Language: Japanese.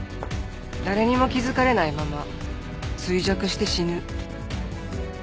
誰にも気づかれないまま衰弱して死ぬ。